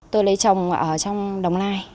tôi lấy chồng ở trong đồng nai